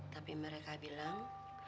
tapi mereka bilang